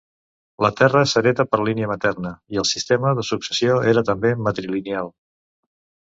La terra s'hereta per línia materna, i el sistema de successió era també matrilineal.